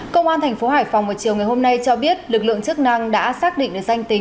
công an tp hcm vào chiều ngày hôm nay cho biết lực lượng chức năng đã xác định được danh tính